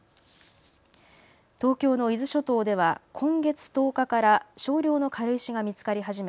東京の伊豆諸島では今月１０日から少量の軽石が見つかり始め